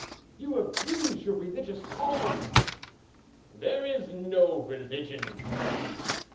"You abuse your religious calling." "There is no religion."